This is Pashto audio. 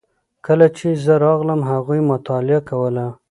کله چې زه راغلم هغوی مطالعه کوله.